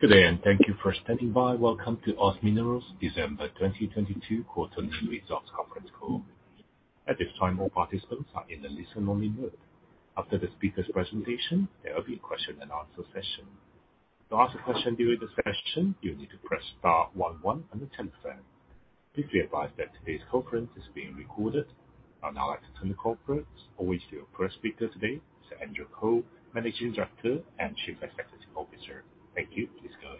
Good day. Thank you for standing by. Welcome to OZ Minerals' December 2022 quarterly results conference call. At this time, all participants are in a listen-only mode. After the speakers' presentation, there will be a question-and-answer session. To ask a question during the session, you need to press star one one on your telephone. Please be advised that today's conference is being recorded. I'd now like to turn the call over to your first speaker today, Sir Andrew Cole, Managing Director and Chief Executive Officer. Thank you. Please go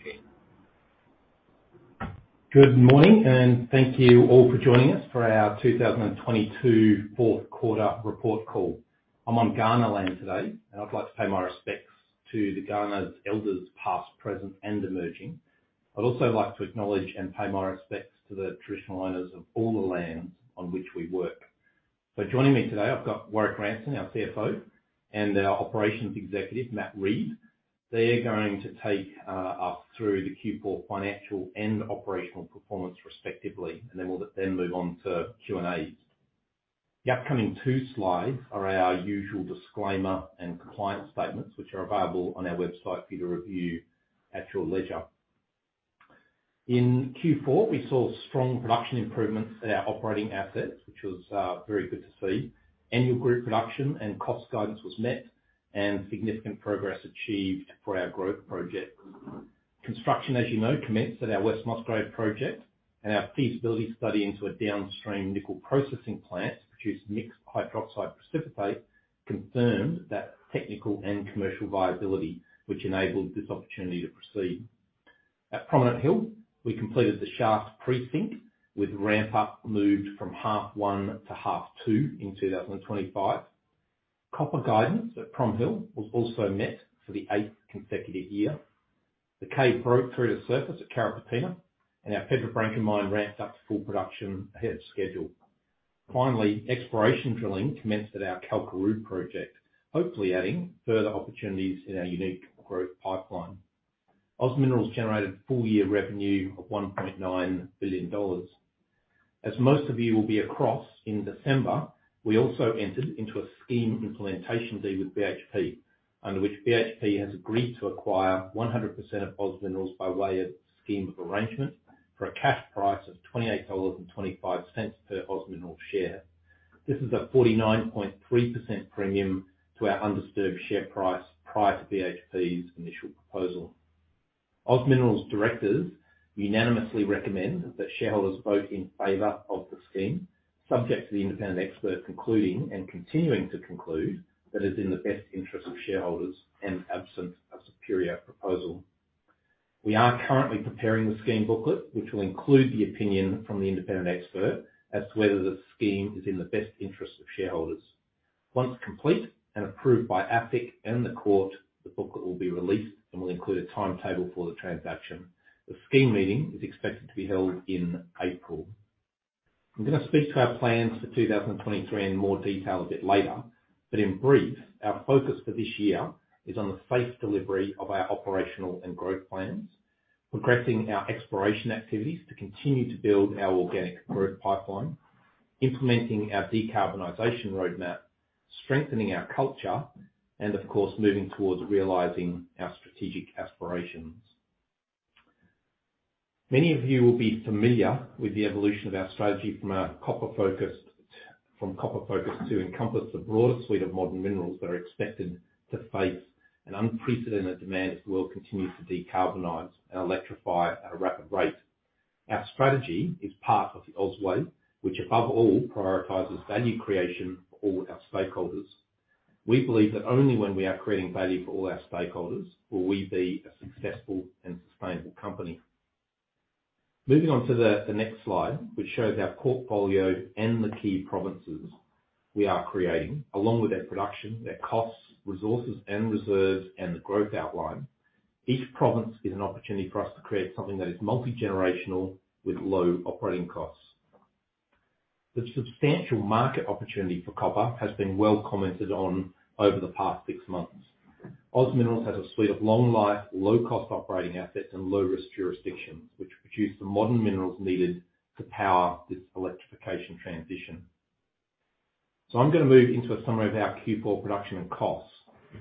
ahead. Good morning, and thank you all for joining us for our 2022 fourth quarter report call. I'm on Kaurna land today, and I'd like to pay my respects to the Kaurna's elders, past, present, and emerging. I'd also like to acknowledge and pay my respects to the traditional owners of all the lands on which we work. Joining me today, I've got Warrick Ranson, our CFO, and our Operations Executive, Matt Reed. They're going to take us through the Q4 financial and operational performance, respectively, and then we'll then move on to Q&A. The upcoming 2 slides are our usual disclaimer and compliance statements, which are available on our website for you to review at your leisure. In Q4, we saw strong production improvements at our operating assets, which was very good to see. Annual group production and cost guidance was met. Significant progress achieved for our growth project. Construction, as you know, commenced at our West Musgrave project and our feasibility study into a downstream nickel processing plant to produce mixed hydroxide precipitate, confirmed that technical and commercial viability, which enabled this opportunity to proceed. At Prominent Hill, we completed the shaft pre-sink, with ramp-up moved from half one to half two in 2025. Copper guidance at Prom Hill was also met for the 8th consecutive year. The cave broke through the surface at Carrapateena, and our Pedra Branca mine ramped up to full production ahead of schedule. Finally, exploration drilling commenced at our Kalkaroo project, hopefully adding further opportunities in our unique growth pipeline. OZ Minerals generated full-year revenue of 1.9 billion dollars. As most of you will be across, in December, we also entered into a scheme implementation deal with BHP, under which BHP has agreed to acquire 100% of OZ Minerals by way of scheme of arrangement for a cash price of 28.25 dollars per OZ Minerals share. This is a 49.3% premium to our undisturbed share price prior to BHP's initial proposal. OZ Minerals' directors unanimously recommend that shareholders vote in favor of the scheme, subject to the independent expert concluding and continuing to conclude that it's in the best interest of shareholders and absent a superior proposal. We are currently preparing the scheme booklet, which will include the opinion from the independent expert as to whether the scheme is in the best interest of shareholders. Once complete and approved by ASIC and the court, the booklet will be released and will include a timetable for the transaction. The scheme meeting is expected to be held in April. I'm gonna speak to our plans for 2023 in more detail a bit later, but in brief, our focus for this year is on the safe delivery of our operational and growth plans, progressing our exploration activities to continue to build our organic growth pipeline, implementing our decarbonization roadmap, strengthening our culture, and of course, moving towards realizing our strategic aspirations. Many of you will be familiar with the evolution of our strategy from copper-focused to encompass the broader suite of modern minerals that are expected to face an unprecedented demand as the world continues to decarbonize and electrify at a rapid rate. Our strategy is part of the OZ way, which above all prioritizes value creation for all our stakeholders. We believe that only when we are creating value for all our stakeholders will we be a successful and sustainable company. Moving on to the next slide, which shows our portfolio and the key provinces we are creating, along with their production, their costs, resources, and reserves, and the growth outline. Each province is an opportunity for us to create something that is multi-generational with low operating costs. The substantial market opportunity for copper has been well commented on over the past 6 months. OZ Minerals has a suite of long-life, low-cost operating assets and low-risk jurisdictions, which produce the modern minerals needed to power this electrification transition. I'm gonna move into a summary of our Q4 production and costs.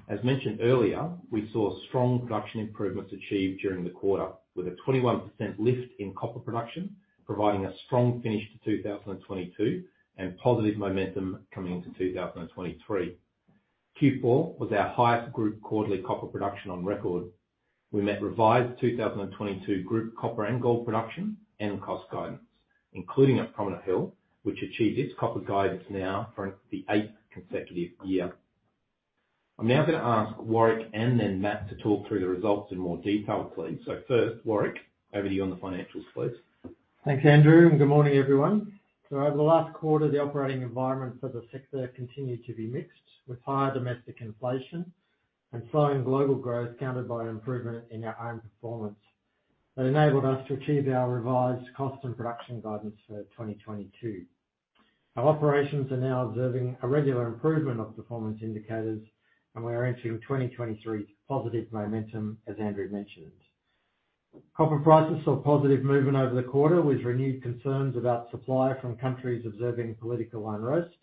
As mentioned earlier, we saw strong production improvements achieved during the quarter, with a 21% lift in copper production, providing a strong finish to 2022 and positive momentum coming into 2023. Q4 was our highest group quarterly copper production on record. We met revised 2022 group copper and gold production and cost guidance, including at Prominent Hill, which achieved its copper guidance now for the 8th consecutive year. I'm now going to ask Warrick and then Matt to talk through the results in more detail, please. First, Warrick, over to you on the financials, please. Thanks, Andrew. Good morning, everyone. Over the last quarter, the operating environment for the sector continued to be mixed, with higher domestic inflation and slowing global growth countered by improvement in our own performance that enabled us to achieve our revised cost and production guidance for 2022. Our operations are now observing a regular improvement of performance indicators, and we are entering 2023 with positive momentum, as Andrew mentioned. Copper prices saw positive movement over the quarter, with renewed concerns about supply from countries observing political unrest,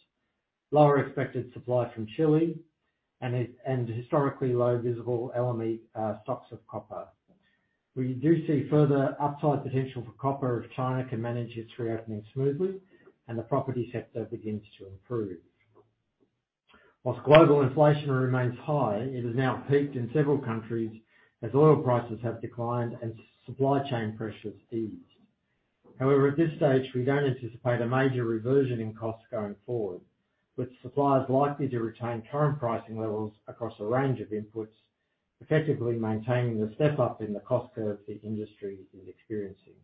lower expected supply from Chile, and historically low visible LME stocks of copper. We do see further upside potential for copper if China can manage its reopening smoothly and the property sector begins to improve. While global inflation remains high, it has now peaked in several countries as oil prices have declined and supply chain pressures eased. However, at this stage, we don't anticipate a major reversion in costs going forward, with suppliers likely to retain current pricing levels across a range of inputs, effectively maintaining the step up in the cost curve the industry is experiencing.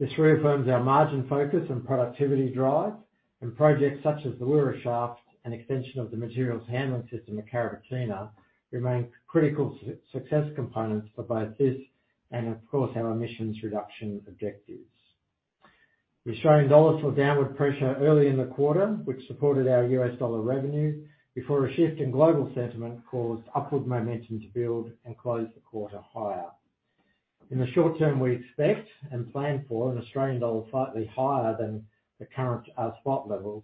This reaffirms our margin focus and productivity drive, and projects such as the Wira Shaft and extension of the materials handling system at Carrapateena remain critical success components for both this and of course, our emissions reduction objectives. The Australian dollar saw downward pressure early in the quarter, which supported our US dollar revenue, before a shift in global sentiment caused upward momentum to build and close the quarter higher. In the short term, we expect and plan for an Australian dollar slightly higher than the current spot levels,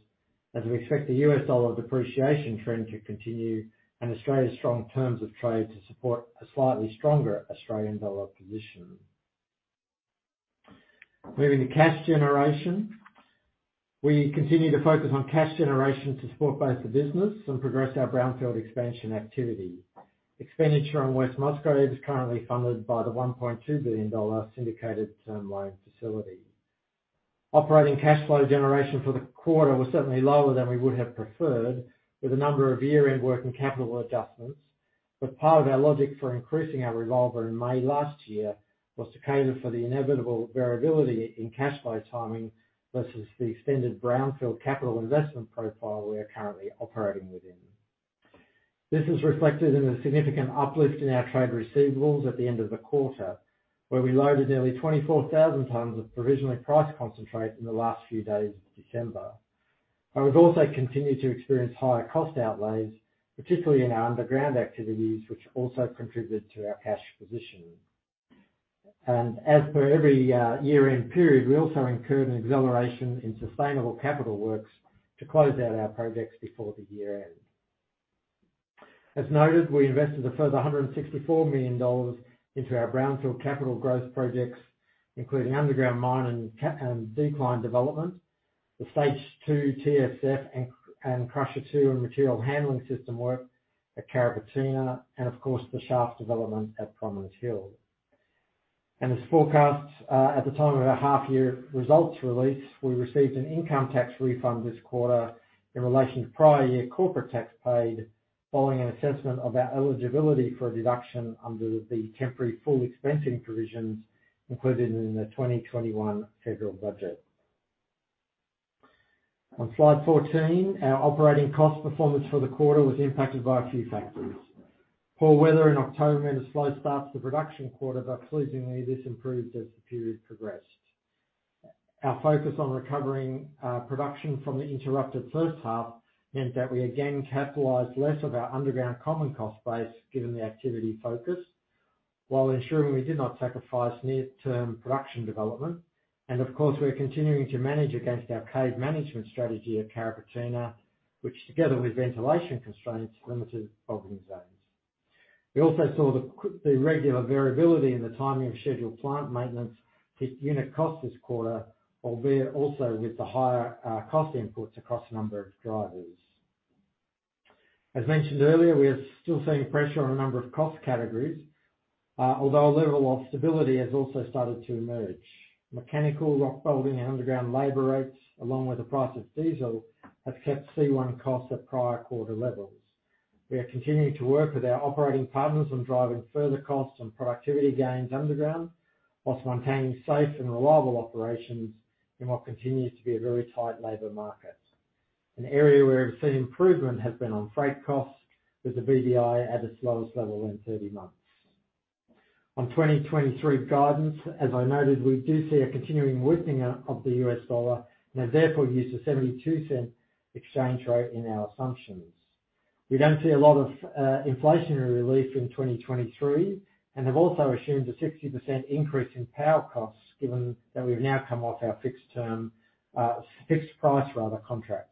as we expect the US dollar depreciation trend to continue, and Australia's strong terms of trade to support a slightly stronger Australian dollar position. Moving to cash generation. We continue to focus on cash generation to support both the business and progress our brownfield expansion activity. Expenditure on West Musgrave is currently funded by the 1.2 billion dollar syndicated term loan facility. Operating cash flow generation for the quarter was certainly lower than we would have preferred, with a number of year-end working capital adjustments. Part of our logic for increasing our revolver in May last year was to cater for the inevitable variability in cash flow timing, versus the extended brownfield capital investment profile we are currently operating within. This is reflected in a significant uplift in our trade receivables at the end of the quarter, where we loaded nearly 24,000 tons of provisionally priced concentrate in the last few days of December. We've also continued to experience higher cost outlays, particularly in our underground activities, which also contributed to our cash position. As per every year-end period, we also incurred an acceleration in sustainable capital works to close out our projects before the year-end. As noted, we invested a further 164 million dollars into our brownfield capital growth projects, including underground mine and decline development, the stage 2 TSF and Crusher 2 and material handling system work at Carrapateena, and of course, the shaft development at Prominent Hill. As forecast, at the time of our half year results release, we received an income tax refund this quarter in relation to prior year corporate tax paid following an assessment of our eligibility for a deduction under the temporary full expensing provisions included in the 2021 federal budget. On slide 14, our operating cost performance for the quarter was impacted by a few factors. Poor weather in October made a slow start to the production quarter, but pleasingly, this improved as the period progressed. Our focus on recovering production from the interrupted first half meant that we again capitalized less of our underground common cost base given the activity focus, while ensuring we did not sacrifice near-term production development. Of course, we're continuing to manage against our cave management strategy at Carrapateena, which together with ventilation constraints, limited opening zones. We also saw the regular variability in the timing of scheduled plant maintenance hit unit cost this quarter, albeit also with the higher cost inputs across a number of drivers. As mentioned earlier, we are still seeing pressure on a number of cost categories, although a level of stability has also started to emerge. Mechanical rock bolting and underground labor rates, along with the price of diesel, have kept C1 costs at prior quarter levels. We are continuing to work with our operating partners on driving further costs and productivity gains underground, whilst maintaining safe and reliable operations in what continues to be a very tight labor market. An area where we've seen improvement has been on freight costs, with the BDI at its lowest level in 30 months. On 2023 guidance, as I noted, we do see a continuing weakening of the US dollar and have therefore used a 0.72 exchange rate in our assumptions. We don't see a lot of inflationary relief in 2023, and have also assumed a 60% increase in power costs, given that we've now come off our fixed term, fixed price rather, contract.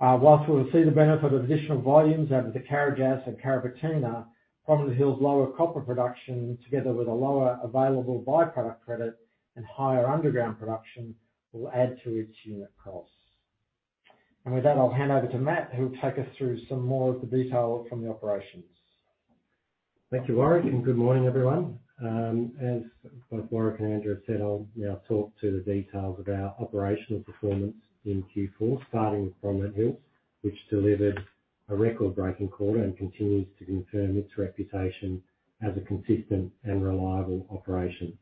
Whilst we will see the benefit of additional volumes out of the carriage gas at Carrapateena, Prominent Hill's lower copper production, together with a lower available by-product credit and higher underground production, will add to its unit costs. With that, I'll hand over to Matt, who will take us through some more of the detail from the operations. Thank you, Warwick. Good morning, everyone. As both Warwick and Andrew said, I'll now talk to the details of our operational performance in Q4, starting with Prominent Hill, which delivered a record-breaking quarter and continues to confirm its reputation as a consistent and reliable operation.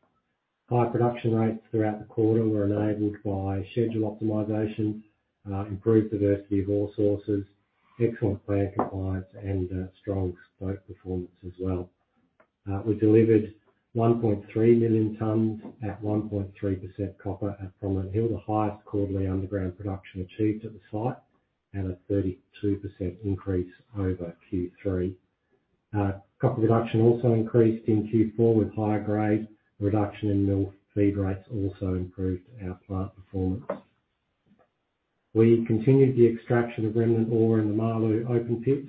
High production rates throughout the quarter were enabled by schedule optimization, improved diversity of ore sources, excellent plant compliance, and strong slope performance as well. We delivered 1.3 million tons at 1.3% copper at Prominent Hill, the highest quarterly underground production achieved at the site. A 32% increase over Q3. Copper production also increased in Q4 with higher grade. Reduction in mill feed rates also improved our plant performance. We continued the extraction of remnant ore in the Malu open pit,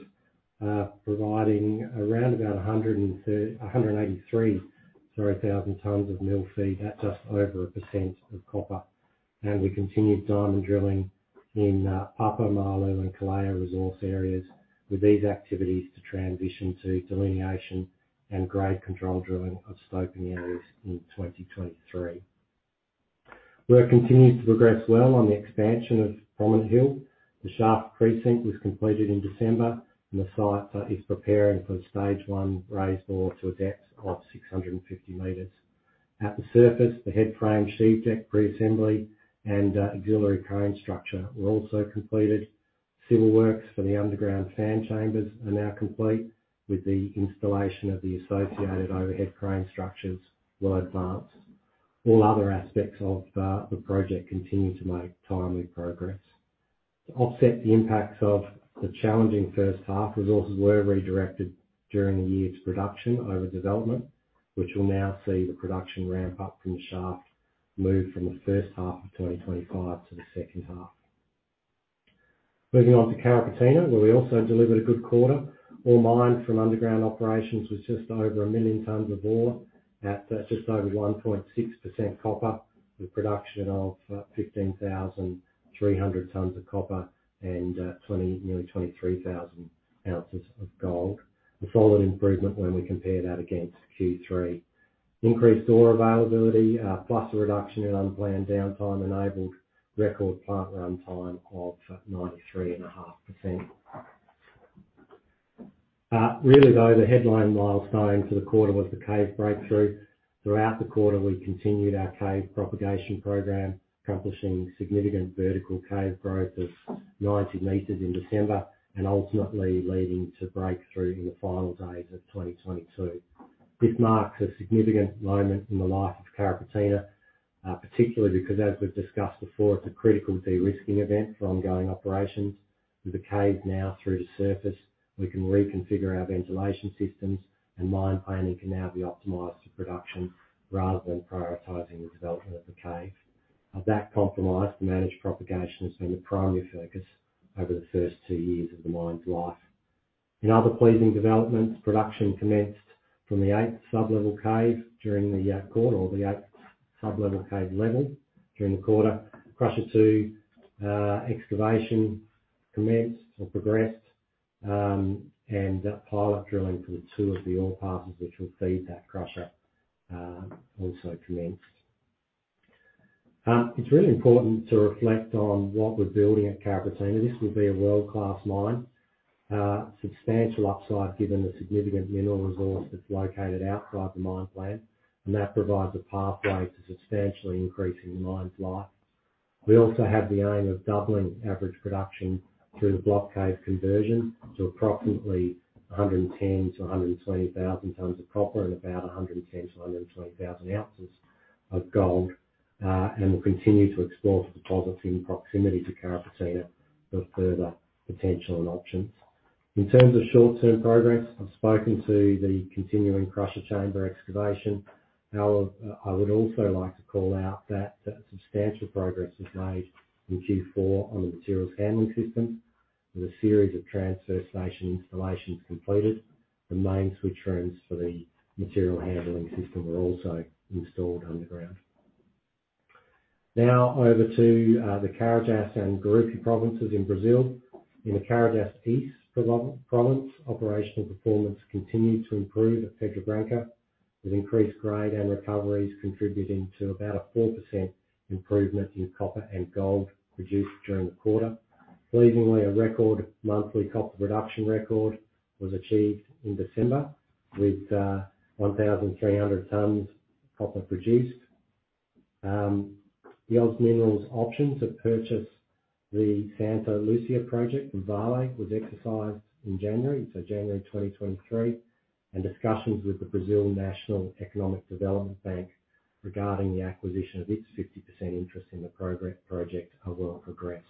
providing around about 183,000 tons of mill feed at just over 1% of copper. We continued diamond drilling in Upper Malu and Kalea resource areas, with these activities to transition to delineation and grade control drilling of scoping areas in 2023. Work continues to progress well on the expansion of Prominent Hill. The shaft precinct was completed in December, and the site is preparing for stage 1 raised ore to a depth of 650 meters. At the surface, the headframe sheave deck reassembly and auxiliary crane structure were also completed. Civil works for the underground sand chambers are now complete, with the installation of the associated overhead crane structures well advanced. All other aspects of the project continue to make timely progress. To offset the impacts of the challenging first half, resources were redirected during the year's production over development, which will now see the production ramp up from the shaft move from the first half of 2025 to the second half. Moving on to Carrapateena, where we also delivered a good quarter. Ore mined from underground operations was just over 1 million tons of ore at just over 1.6% copper, with production of 15,300 tons of copper and nearly 23,000 ounces of gold. A solid improvement when we compare that against Q3. Increased ore availability, plus a reduction in unplanned downtime enabled record plant runtime of 93.5%. Really though, the headline milestone for the quarter was the cave breakthrough. Throughout the quarter, we continued our cave propagation program, accomplishing significant vertical cave growth of 90 meters in December and ultimately leading to breakthrough in the final days of 2022. This marks a significant moment in the life of Carrapateena, particularly because, as we've discussed before, it's a critical de-risking event for ongoing operations. With the cave now through to surface, we can reconfigure our ventilation systems, and mine planning can now be optimized to production rather than prioritizing the development of the cave. Of that compromise, the managed propagation has been the primary focus over the first 2 years of the mine's life. In other pleasing developments, production commenced from the eighth Sublevel Cave during the quarter, or the eighth Sublevel Cave level during the quarter. Crusher 2 excavation commenced or progressed, and pilot drilling for the 2 of the ore passes which will feed that crusher also commenced. It's really important to reflect on what we're building at Carrapateena. This will be a world-class mine. Substantial upside, given the significant mineral resource that's located outside the mine plan, and that provides a pathway to substantially increasing the mine's life. We also have the aim of doubling average production through the Block Cave conversion to approximately 110,000-120,000 tons of copper and about 110,000-120,000 ounces of gold. We'll continue to explore for deposits in proximity to Carrapateena for further potential and options. In terms of short-term progress, I've spoken to the continuing crusher chamber excavation. I would also like to call out that substantial progress was made in Q4 on the materials handling system, with a series of transfer station installations completed. The main switch rooms for the material handling system were also installed underground. Over to the Carajás and Gurupi provinces in Brazil. In the Carajás East province, operational performance continued to improve at Pedra Branca, with increased grade and recoveries contributing to about a 4% improvement in copper and gold produced during the quarter. Pleasingly, a record monthly copper production record was achieved in December, with 1,300 tons copper produced. The OZ Minerals option to purchase the Santa Lucia project from Vale was exercised in January, so January 2023, and discussions with the Brazil National Economic Development Bank regarding the acquisition of its 50% interest in the project are well progressed.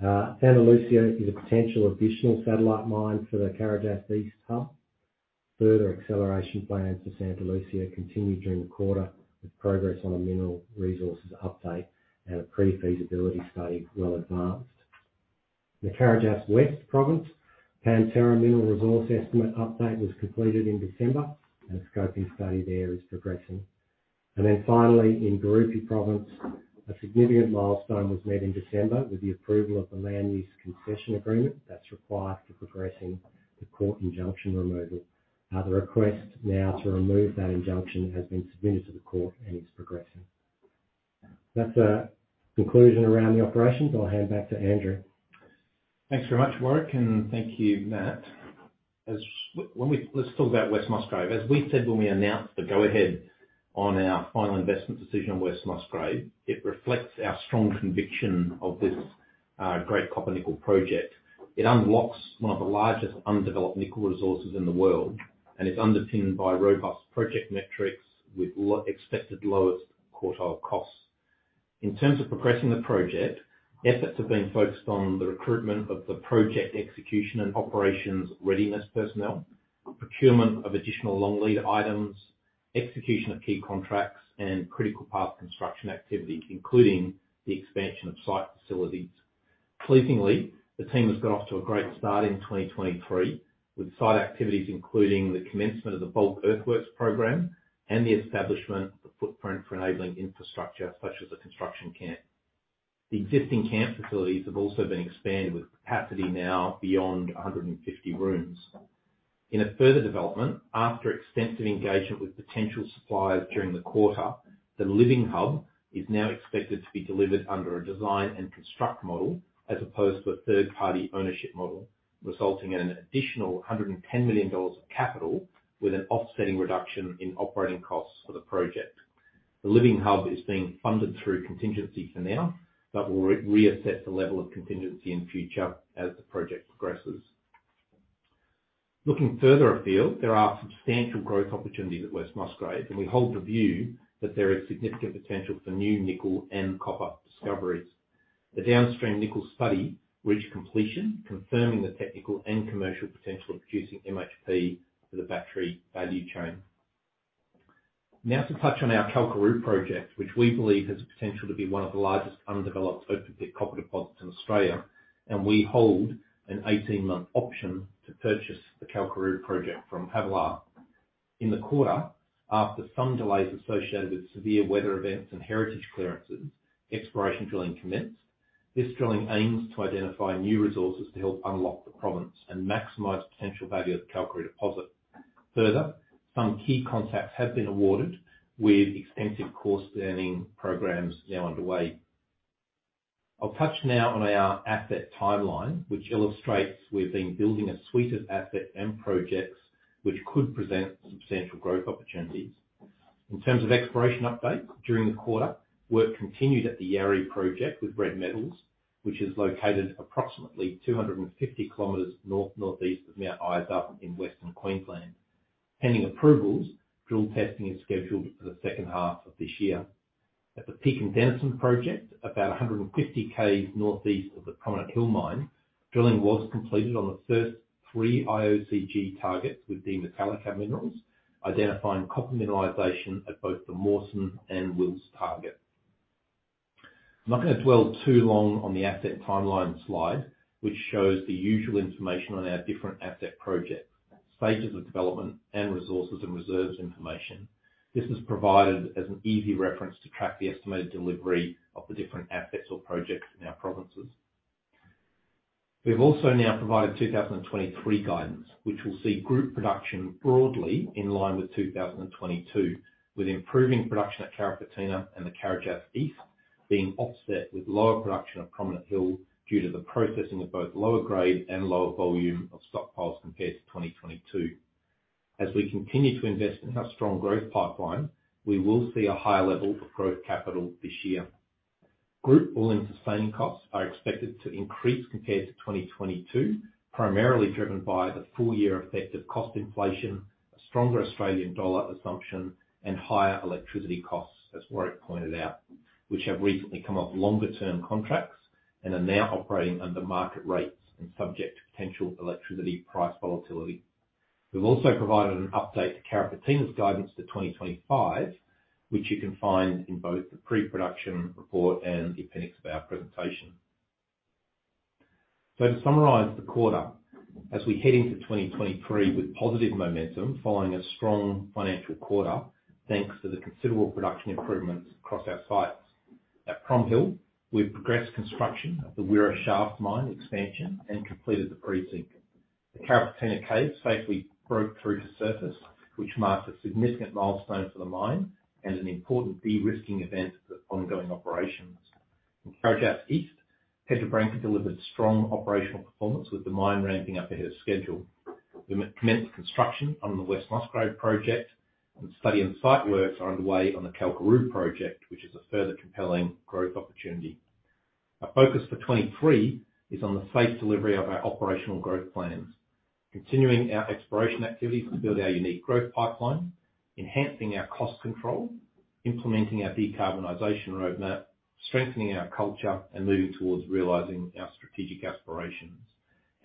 Santa Lucia is a potential additional satellite mine for the Carajás East hub. Further acceleration plans for Santa Lucia continued during the quarter, with progress on a mineral resources update and a pre-feasibility study well advanced. The Carajás West province Pantera mineral resource estimate update was completed in December. A scoping study there is progressing. In Gurupi province, a significant milestone was made in December with the approval of the land use concession agreement that's required for progressing the court injunction removal. The request now to remove that injunction has been submitted to the court and is progressing. That's a conclusion around the operations. I'll hand back to Andrew. Thanks very much, Warrick, and thank you, Matt. When we Let's talk about West Musgrave. As we said when we announced the go-ahead on our final investment decision on West Musgrave, it reflects our strong conviction of this great copper-nickel project. It unlocks one of the largest undeveloped nickel resources in the world and is underpinned by robust project metrics with expected lowest quartile costs. In terms of progressing the project, efforts have been focused on the recruitment of the project execution and operations readiness personnel, procurement of additional long-lead items, execution of key contracts, and critical path construction activity, including the expansion of site facilities. Pleasingly, the team has got off to a great start in 2023, with site activities, including the commencement of the bulk earthworks program and the establishment of the footprint for enabling infrastructure such as the construction camp. The existing camp facilities have been expanded, with capacity now beyond 150 rooms. In a further development, after extensive engagement with potential suppliers during the quarter, the Living Hub is now expected to be delivered under a design and construct model as opposed to a third-party ownership model, resulting in an additional 110 million dollars of capital, with an offsetting reduction in operating costs for the project. The Living Hub is being funded through contingency for now, but we'll reassess the level of contingency in future as the project progresses. Looking further afield, there are substantial growth opportunities at West Musgrave, and we hold the view that there is significant potential for new nickel and copper discoveries. The downstream nickel study reached completion, confirming the technical and commercial potential of producing MHP for the battery value chain. To touch on our Kalkaroo project, which we believe has the potential to be one of the largest undeveloped open-pit copper deposits in Australia. We hold an 18-month option to purchase the Kalkaroo project from Havilah Resources. In the quarter, after some delays associated with severe weather events and heritage clearances, exploration drilling commenced. This drilling aims to identify new resources to help unlock the province and maximize the potential value of the Kalkaroo deposit. Some key contacts have been awarded, with extensive core-scanning programs now underway. I'll touch now on our asset timeline, which illustrates we've been building a suite of asset end projects which could present substantial growth opportunities. In terms of exploration update, during the quarter, work continued at the Yarrie project with Red Metal Limited, which is located approximately 250 km north-northeast of Mount Isa in Western Queensland. Pending approvals, drill testing is scheduled for the second half of this year. At the Peake and Denison project, about 150 Ks northeast of the Prominent Hill mine, drilling was completed on the first 3 IOCG targets with Metallica Minerals, identifying copper mineralization at both the Mawson and Wills target. I'm not gonna dwell too long on the asset timeline slide, which shows the usual information on our different asset projects, stages of development, and resources and reserves information. This is provided as an easy reference to track the estimated delivery of the different assets or projects in our provinces. We've also now provided 2023 guidance, which will see group production broadly in line with 2022, with improving production at Carrapateena and the Carajás East being offset with lower production at Prominent Hill due to the processing of both lower grade and lower volume of stockpiles compared to 2022. As we continue to invest in our strong growth pipeline, we will see a higher level of growth capital this year. Group All-In Sustaining Costs are expected to increase compared to 2022, primarily driven by the full year effect of cost inflation, a stronger Australian dollar assumption, and higher electricity costs, as Warrick pointed out, which have recently come off longer-term contracts and are now operating under market rates and subject to potential electricity price volatility. We've also provided an update to Carrapateena's guidance to 2025, which you can find in both the pre-production report and the appendix of our presentation. To summarize the quarter, as we head into 2023 with positive momentum following a strong financial quarter, thanks to the considerable production improvements across our sites. At PromHill, we've progressed construction of the Wira Shaft mine expansion and completed the pre-sink. The Carrapateena cave safely broke through to surface, which marks a significant milestone for the mine and an important de-risking event for ongoing operations. In Carajás East, Pedra Branca delivered strong operational performance with the mine ramping up ahead of schedule. We commenced construction on the West Musgrave Project and study and site works are underway on the Kalkaroo Project, which is a further compelling growth opportunity. Our focus for 2023 is on the safe delivery of our operational growth plans, continuing our exploration activities to build our unique growth pipeline, enhancing our cost control, implementing our decarbonization roadmap, strengthening our culture, and moving towards realizing our strategic aspirations,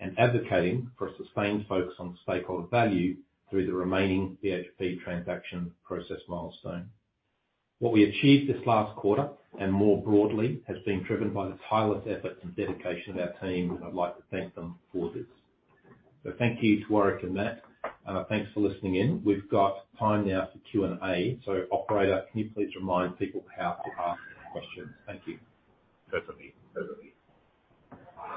and advocating for a sustained focus on stakeholder value through the remaining BHP transaction process milestone. What we achieved this last quarter, and more broadly, has been driven by the tireless efforts and dedication of our team, and I'd like to thank them for this. Thank you to Warrick and Matt. Thanks for listening in. We've got time now for Q&A. Operator, can you please remind people how to ask questions? Thank you. Certainly. Certainly.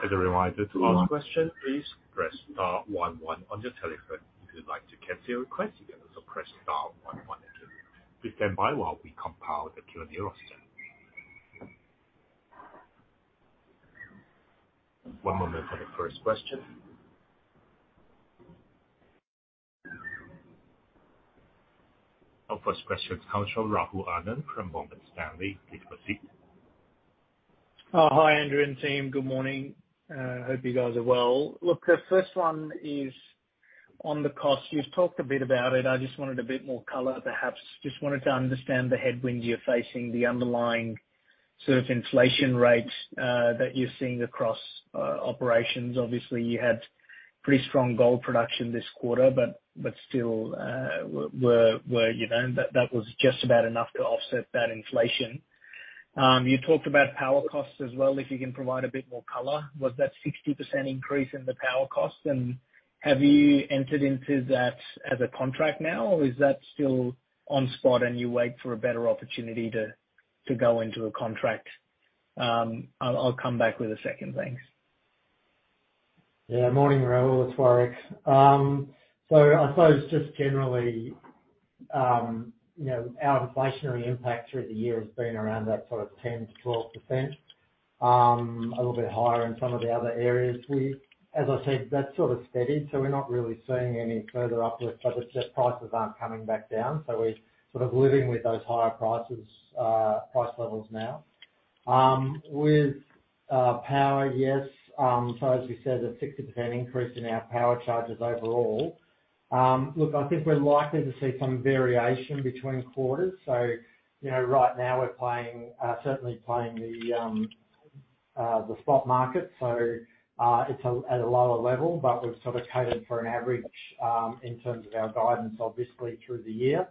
As a reminder, to ask a question, please press star one one on your telephone. If you'd like to cancel your request, you can also press star one one again. Please stand by while we compile the queue in zero step. One moment for the first question. Our first question comes from Rahul Anand from Morgan Stanley. Please proceed. Hi, Andrew and team. Good morning. Hope you guys are well. Look, the first one is on the cost. You've talked a bit about it. I just wanted a bit more color, perhaps. Just wanted to understand the headwind you're facing, the underlying sort of inflation rates that you're seeing across operations. Obviously, you had pretty strong gold production this quarter, but still, were, you know, that was just about enough to offset that inflation. You talked about power costs as well, if you can provide a bit more color. Was that 60% increase in the power cost, and have you entered into that as a contract now, or is that still on spot and you wait for a better opportunity to go into a contract? I'll come back with a second. Thanks. Yeah. Morning, Rahul. It's Warrick. I suppose just generally, you know, our inflationary impact through the year has been around that sort of 10%-12%. A little bit higher in some of the other areas. As I said, that's sort of steady, we're not really seeing any further uplift, it's just prices aren't coming back down, we're sort of living with those higher prices, price levels now. With power, yes. As we said, a 60% increase in our power charges overall. Look, I think we're likely to see some variation between quarters. You know, right now we're playing, certainly playing the spot market. It's at a lower level, we've sort of catered for an average in terms of our guidance, obviously, through the year.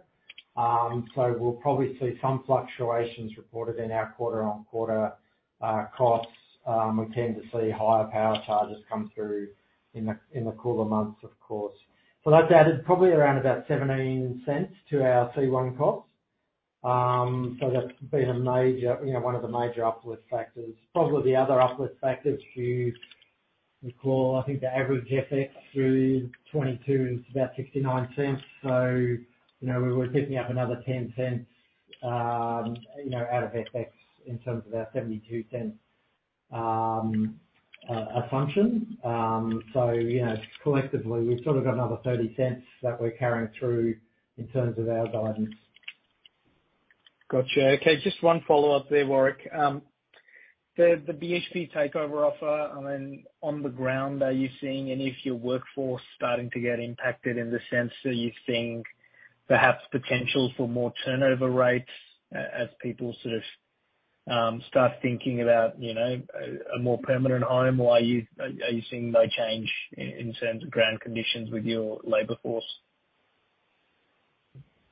We'll probably see some fluctuations reported in our quarter-on-quarter costs. We tend to see higher power charges come through in the cooler months, of course. That's added probably around about 0.17 to our C1 costs. That's been a major, you know, one of the major upward factors. Probably the other upward factors if you recall, I think the average FX through 2022 is about 0.69. You know, we're picking up another 0.10, you know, out of FX in terms of our 0.72 assumption. You know, collectively, we've sort of got another 0.30 that we're carrying through in terms of our guidance. Gotcha. Okay, just one follow-up there, Warrick. The BHP takeover offer, I mean, on the ground, are you seeing any of your workforce starting to get impacted in the sense that you're seeing perhaps potential for more turnover rates as people sort of start thinking about, you know, a more permanent home? Or are you seeing no change in terms of ground conditions with your labor force?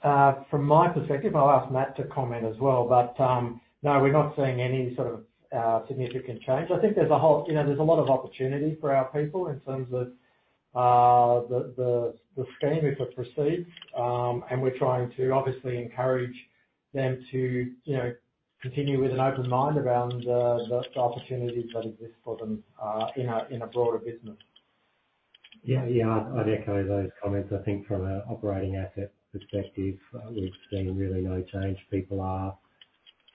From my perspective, I'll ask Matt to comment as well, but no, we're not seeing any sort of significant change. I think there's a whole, you know, there's a lot of opportunity for our people in terms of the scheme, if it proceeds. We're trying to obviously encourage them to, you know, continue with an open mind around the opportunities that exist for them in a broader business. I'd echo those comments. I think from an operating asset perspective, we've seen really no change. People are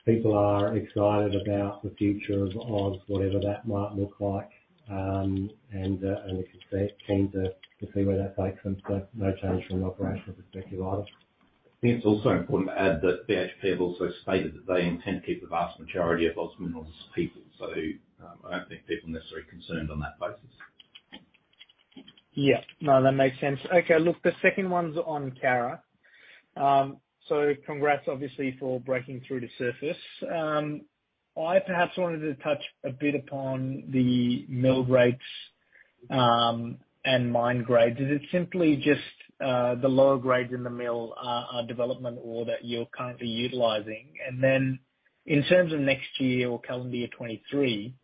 excited about the future of whatever that might look like, and if it's there, keen to see where that takes them. No change from an operational perspective either. I think it's also important to add that BHP have also stated that they intend to keep the vast majority of OZ Minerals people. I don't think people are necessarily concerned on that basis. No, that makes sense. Okay. Look, the second one's on Kara. Congrats obviously for breaking through the surface. I perhaps wanted to touch a bit upon the mill rates and mine grades. Is it simply just, the lower grades in the mill are development ore that you're currently utilizing? In terms of next year or calendar year 2023,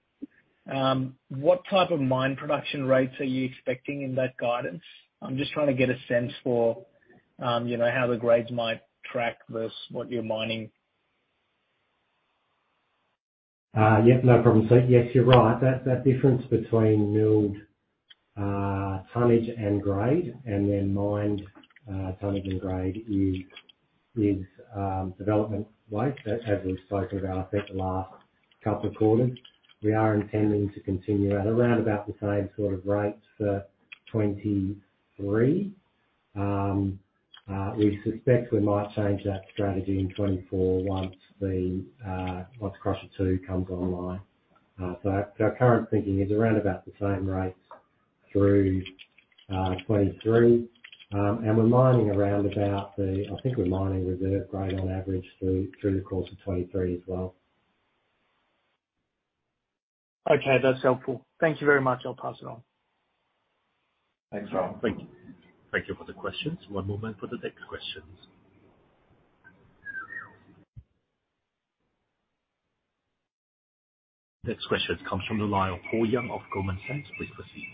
what type of mine production rates are you expecting in that guidance? I'm just trying to get a sense for, you know, how the grades might track versus what you're mining. Yep, no problem. Yes, you're right. That difference between milled tonnage and grade and then mined tonnage and grade is development waste as we've spoken about I think the last couple of quarters. We are intending to continue at around about the same sort of rates for 2023. We suspect we might change that strategy in 2024 once the once Crusher 2 comes online. Our current thinking is around about the same rates through 2023. We're mining around about the, I think we're mining reserve grade on average through the course of 2023 as well. Okay. That's helpful. Thank you very much. I'll pass it on. Thanks, Rahul. Thank you. Thank you for the questions. One moment for the next questions. Next question comes from the line of Paul Young of Goldman Sachs. Please proceed.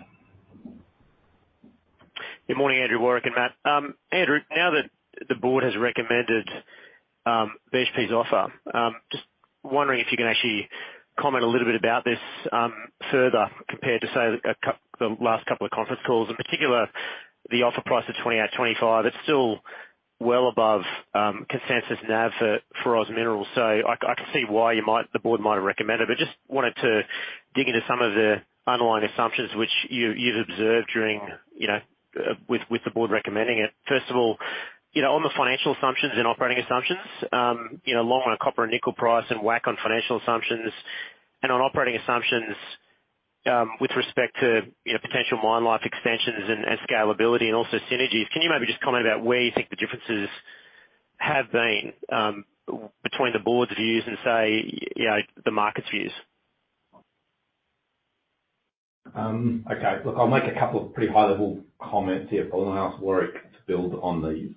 Good morning, Andrew, Warwick, and Matt. Andrew, now that the board has recommended BHP's offer, just wondering if you can actually comment a little bit about this further compared to, say, the last couple of conference calls? In particular, the offer price of 28.25, it's still well above consensus NAV for OZ Minerals. I can see why you might, the board might have recommended it, but just wanted to dig into some of the underlying assumptions which you've observed during, you know, with the board recommending it. First of all, you know, on the financial assumptions and operating assumptions, you know, long on a copper and nickel price and whack on financial assumptions. On operating assumptions, with respect to, you know, potential mine life extensions and scalability and also synergies, can you maybe just comment about where you think the differences have been, between the board's views and say, you know, the market's views? Okay. Look, I'll make a couple of pretty high-level comments here, but I'll ask Warrick to build on these.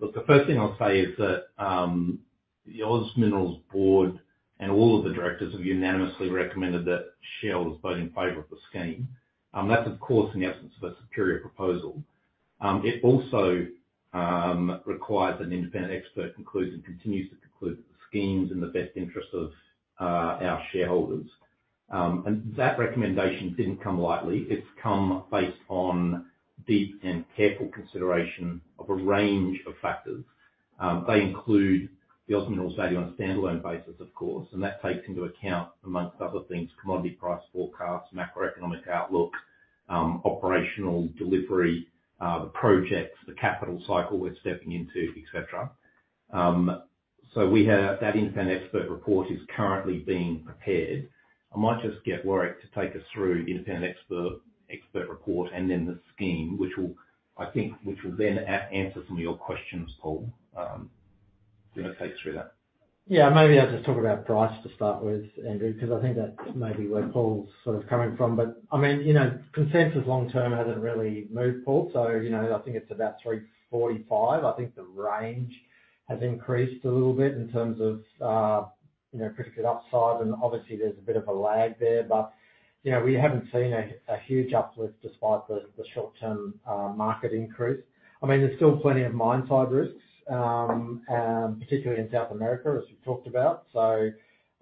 Look, the first thing I'll say is that the OZ Minerals board and all of the directors have unanimously recommended that shareholders vote in favor of the scheme. That's of course, in the absence of a superior proposal. It also requires an independent expert concludes and continues to conclude that the scheme's in the best interest of our shareholders. That recommendation didn't come lightly. It's come based on deep and careful consideration of a range of factors. They include the OZ Minerals value on a standalone basis, of course, and that takes into account, amongst other things, commodity price forecasts, macroeconomic outlook, operational delivery, the projects, the capital cycle we're stepping into, et cetera. We have... That independent expert report is currently being prepared. I might just get Warrick to take us through independent expert report and then the scheme, which will, I think, then answer some of your questions, Paul. Do you wanna take us through that? Yeah. Maybe I'll just talk about price to start with, Andrew, because I think that's maybe where Paul's sort of coming from. I mean, you know, consensus long term hasn't really moved, Paul, you know, I think it's about $3.45. I think the range has increased a little bit in terms of, you know, predicted upside, and obviously there's a bit of a lag there. You know, we haven't seen a huge uplift despite the short-term market increase. I mean, there's still plenty of mine-side risks, and particularly in South America, as we've talked about.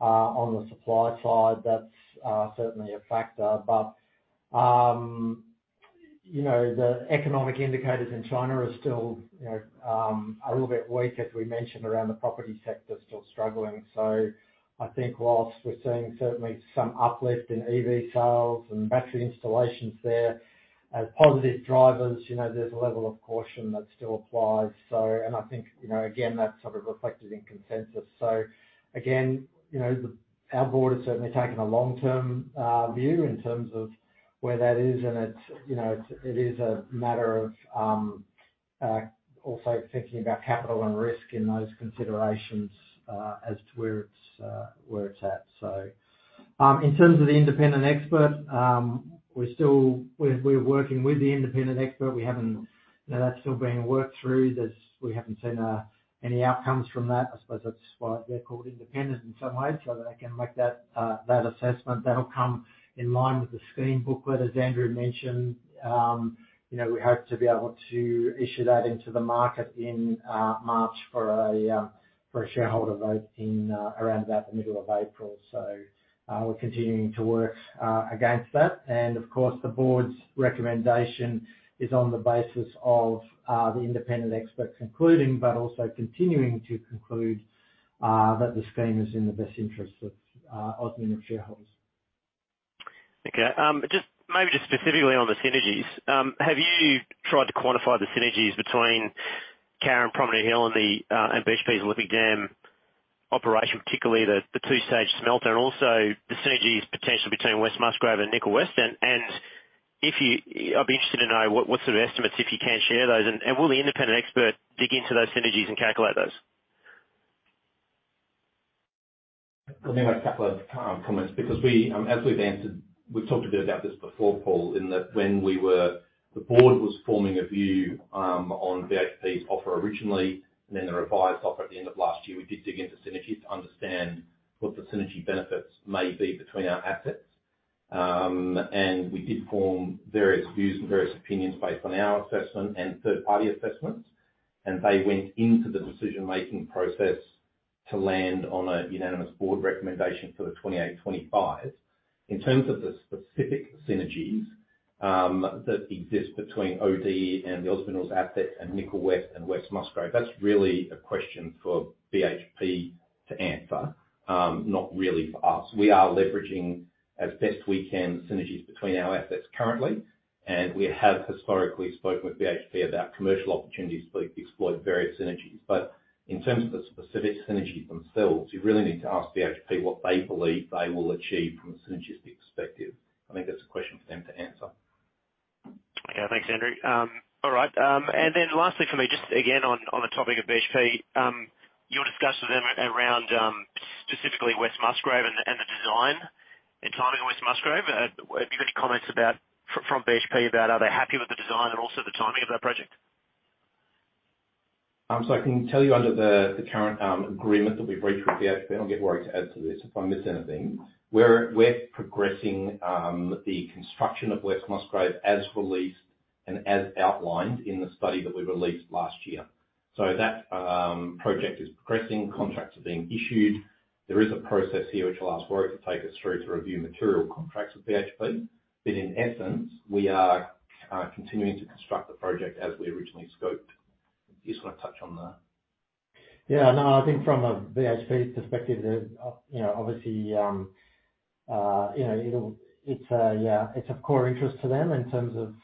On the supply side, that's certainly a factor. You know, the economic indicators in China are still, you know, a little bit weak, as we mentioned around the property sector, still struggling. I think whilst we're seeing certainly some uplift in EV sales and battery installations there as positive drivers, you know, there's a level of caution that still applies. I think, you know, again, that's sort of reflected in consensus. Again, you know, our board has certainly taken a long-term view in terms of where that is. It's, you know, it is a matter of also thinking about capital and risk in those considerations as to where it's where it's at. In terms of the independent expert, we're working with the independent expert. You know, that's still being worked through. We haven't seen any outcomes from that. I suppose that's why they're called independent in some way, so they can make that assessment. That'll come in line with the scheme booklet, as Andrew mentioned. You know, we hope to be able to issue that into the market in March for a shareholder vote in around about the middle of April. We're continuing to work against that. Of course, the board's recommendation is on the basis of the independent experts concluding, but also continuing to conclude, that the scheme is in the best interest of OZ Minerals shareholders. Okay. Just, maybe just specifically on the synergies, have you tried to quantify the synergies between Carrapateena, Prominent Hill and BHP's Olympic Dam operation, particularly the 2-stage smelter and also the synergies potential between West Musgrave and Nickel West? I'd be interested to know what sort of estimates, if you can share those? Will the independent expert dig into those synergies and calculate those? I'll make a couple of comments because we, as we've answered, we've talked a bit about this before, Paul, in that when the board was forming a view, on BHP's offer originally and then the revised offer at the end of last year, we did dig into synergies to understand what the synergy benefits may be between our assets. We did form various views and various opinions based on our assessment and third party assessments. They went into the decision-making process to land on a unanimous board recommendation for the 28.25. In terms of the specific synergies, that exist between OZ and the OZ Minerals assets and Nickel West and West Musgrave, that's really a question for BHP to answer. Not really for us. We are leveraging, as best we can, synergies between our assets currently. We have historically spoken with BHP about commercial opportunities to exploit various synergies. In terms of the specific synergies themselves, you really need to ask BHP what they believe they will achieve from a synergies perspective. I think that's a question for them to answer. Okay. Thanks, Andrew. All right. Lastly for me, just again on the topic of BHP, you'll discuss with them around specifically West Musgrave and the design and timing of West Musgrave. Have you got any comments about from BHP about are they happy with the design and also the timing of that project? I can tell you under the current agreement that we've reached with BHP, and I'll get Warrick to add to this if I miss anything. We're progressing the construction of West Musgrave as released and as outlined in the study that we released last year. That project is progressing, contracts are being issued. There is a process here which I'll ask Warrick to take us through to review material contracts with BHP. In essence, we are continuing to construct the project as we originally scoped. Do you just wanna touch on that? No, I think from a BHP perspective, you know, obviously, you know, it'll, it's, yeah, it's of core interest to them in terms of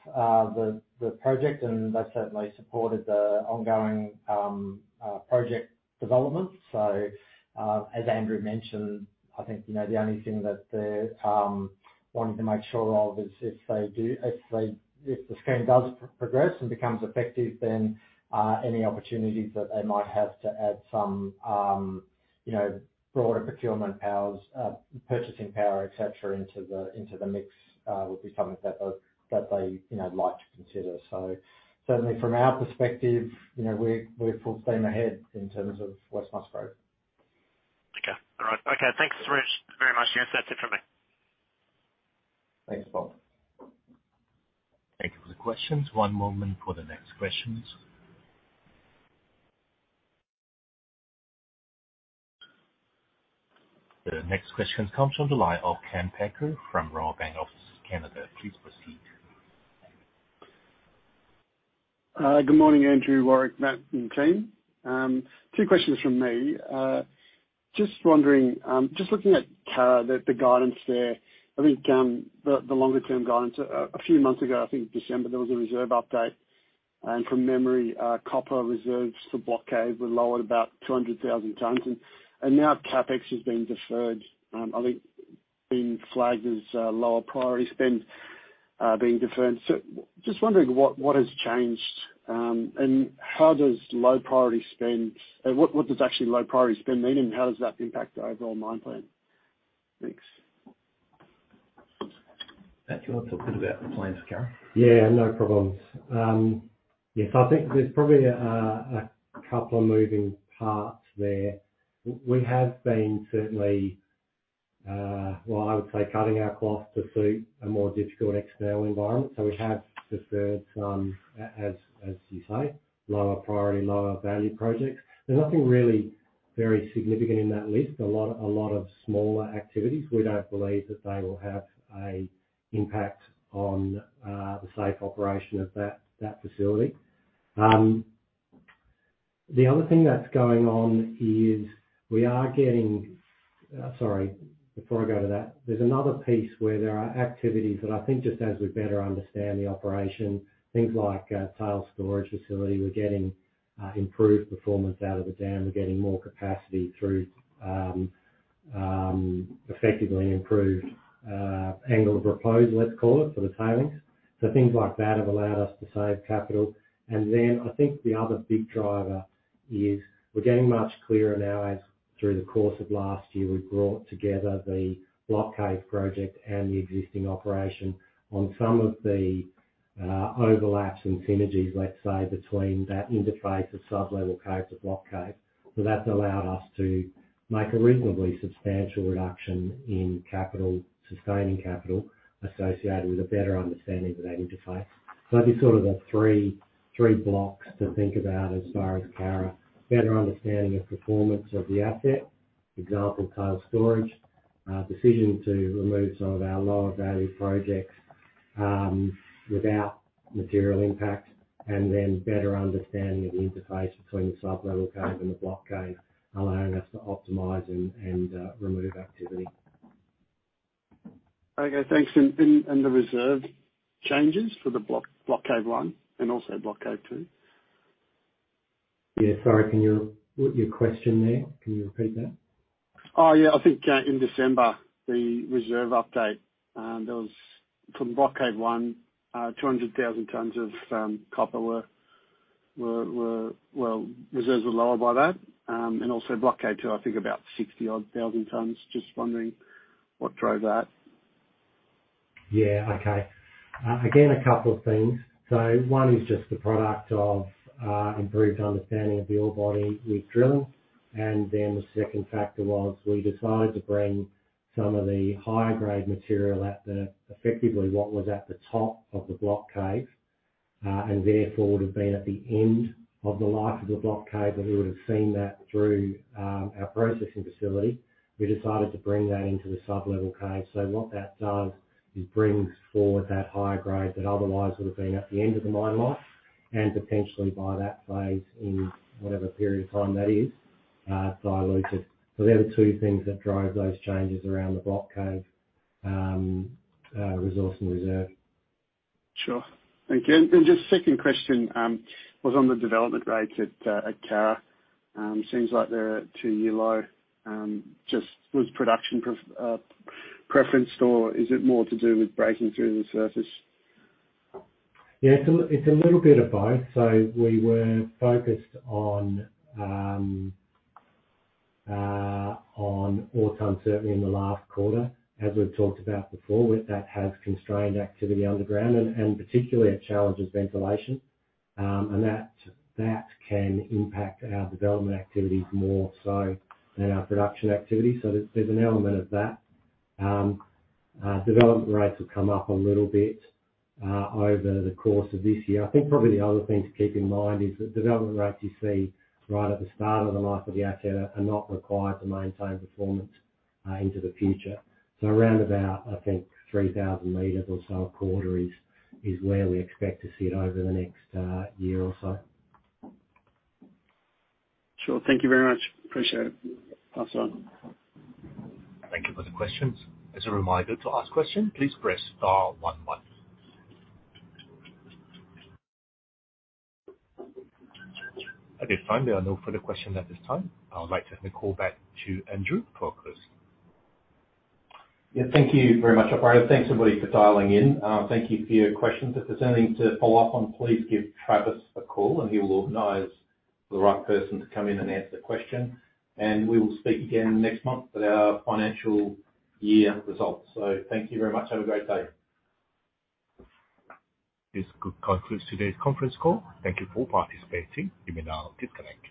the project. They certainly supported the ongoing project development. As Andrew mentioned, I think, you know, the only thing that they're wanting to make sure of is if the scheme does progress and becomes effective, then any opportunities that they might have to add some, you know, broader procurement powers, purchasing power, et cetera, into the mix, would be something that they, you know, like to consider. Certainly from our perspective, you know, we're full steam ahead in terms of West Musgrave. Okay. All right. Okay, thanks very, very much. Yes, that's it for me. Thanks, Paul. Thank you for the questions. One moment for the next questions. The next question comes from the line of Kaan Peker from Royal Bank of Canada. Please proceed. Good morning, Andrew, Warrick, Matt, and team. 2 questions from me. Just wondering, just looking at the guidance there. I think, the longer-term guidance, a few months ago, I think December, there was a reserve update. From memory, copper reserves for Block Cave were lowered about 200,000 tons. Now CapEx has been deferred, I think being flagged as lower priority spend, being deferred. Just wondering what has changed. What does actually low priority spend mean, and how does that impact the overall mine plan? Thanks. Matt, do you want to talk a bit about the plans for Carrapateena? No problems. Yes, I think there's probably a couple of moving parts there. We have been certainly well, I would say, cutting our cloth to suit a more difficult external environment. We have deferred some, as you say, lower priority, lower value projects. There's nothing really very significant in that list. A lot of smaller activities. We don't believe that they will have an impact on the safe operation of that facility. The other thing that's going on is we are getting. Sorry, before I go to that, there's another piece where there are activities that I think, just as we better understand the operation, things like, tail storage facility, we're getting improved performance out of the dam. We're getting more capacity through effectively improved angle of repose, let's call it, for the tailings. Things like that have allowed us to save capital. I think the other big driver is we're getting much clearer now as through the course of last year, we've brought together the Block Cave project and the existing operation on some of the overlaps and synergies, let's say, between that interface of Sublevel Cave to Block Cave. That's allowed us to make a reasonably substantial reduction in capital, sustaining capital associated with a better understanding of that interface. That's be sort of the 3 blocks to think about as far as Kara. Better understanding the performance of the asset, example, tail storage. Decision to remove some of our lower value projects without material impact. Better understanding of the interface between the Sublevel Cave and the Block Cave, allowing us to optimize and remove activity. Okay, thanks. The reserve changes for the Block Cave 1 and also Block Cave 2? Yeah. Sorry. What your question there? Can you repeat that? Oh, yeah. I think, in December, the reserve update, there was from Block Cave 1, 200,000 tons of copper were, well, reserves were lower by that. Also Block Cave 2, I think about 60,000 odd tons. Just wondering what drove that. Yeah, okay. Again, a couple of things. 1 is just the product of improved understanding of the ore body with drilling. The second factor was we decided to bring some of the higher grade material at the, effectively what was at the top of the Block Cave, and therefore would have been at the end of the life of the Block Cave, but we would have seen that through our processing facility. We decided to bring that into the Sublevel Cave. What that does is brings forward that higher grade that otherwise would have been at the end of the mine life and potentially by that phase in whatever period of time that is, diluted. They are the 2 things that drive those changes around the Block Cave, resource and reserve. Sure. Thank you. Just second question, was on the development rates at Kara. Seems like they're at 2 year low. Just was production preferenced or is it more to do with breaking through the surface? Yeah, it's a little bit of both. We were focused on ore tone certainly in the last quarter. As we've talked about before, with that has constrained activity underground and particularly it challenges ventilation. That can impact our development activities more so than our production activities. There's an element of that. Development rates have come up a little bit over the course of this year. I think probably the other thing to keep in mind is that development rates you see right at the start of the life of the asset are not required to maintain performance into the future. Around about, I think 3,000 meters or so a quarter is where we expect to see it over the next year or so. Sure. Thank you very much. Appreciate it. That's all. Thank you for the questions. As a reminder to ask question, please press star one one. Okay, fine. There are no further questions at this time. I would like to hand the call back to Andrew for closing. Yeah. Thank you very much, operator. Thanks, everybody, for dialing in. Thank you for your questions. If there's anything to follow up on, please give Travis a call, and he will know the right person to come in and answer the question. We will speak again next month with our financial year results. Thank you very much. Have a great day. This concludes today's conference call. Thank you for participating. You may now disconnect.